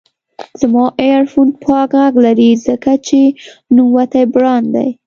زما ایرفون پاک غږ لري، ځکه چې نوموتی برانډ دی.